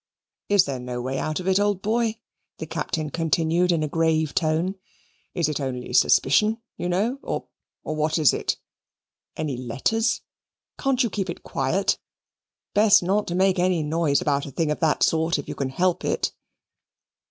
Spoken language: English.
"Is there no way out of it, old boy?" the Captain continued in a grave tone. "Is it only suspicion, you know, or or what is it? Any letters? Can't you keep it quiet? Best not make any noise about a thing of that sort if you can help it."